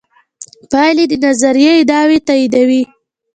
پایلې د نظریې ادعاوې تاییدوي.